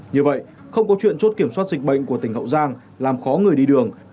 như vậy không có chuyện chốt kiểm soát dịch bệnh của tỉnh hậu giang làm khó người đi đường